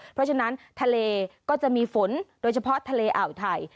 เพราะฉะนั้นทะเลก็จะมีฝนโดยเฉพาะทะเลอ่าวไทย